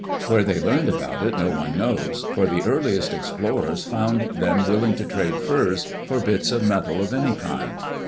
Where they learned about it no one knows, for the earliest explorers found them willing to trade furs for bits of metal of any kind.